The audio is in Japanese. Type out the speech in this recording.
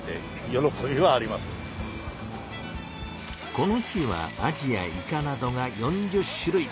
この日はアジやイカなどが４０種類。